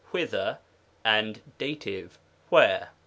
(whither?) and Dat. (where?)